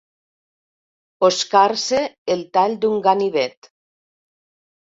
Oscar-se el tall d'un ganivet.